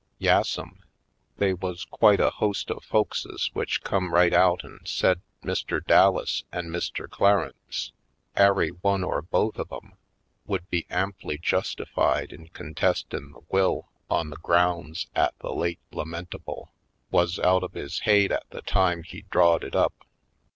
Yassum, they wuz quite a host of folkses w'ich come right out an' said Mr. Dallas an' Mr. Clar ence, ary one or both of 'em, would be am ply justified in contestin' the will on the grounds 'at the late lamentable wuz out of his haid at the time he drawed it up.